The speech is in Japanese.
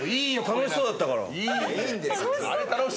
楽しそうだったから。